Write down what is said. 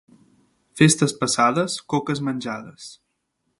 Festes passades, coques menjades.